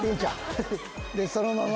でそのまま。